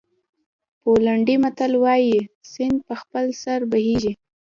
پولنډي متل وایي سیند په خپل سر بهېږي.